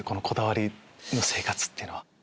こだわりの生活っていうのは。